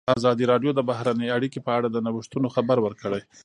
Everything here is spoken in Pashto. ازادي راډیو د بهرنۍ اړیکې په اړه د نوښتونو خبر ورکړی.